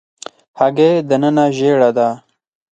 هګۍ دننه ژېړه ده.